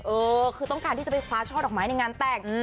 เออคือต้องการที่จะไปคว้าช่อดอกไม้ในงานแต่ง